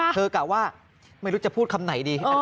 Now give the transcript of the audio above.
กะว่าไม่รู้จะพูดคำไหนดี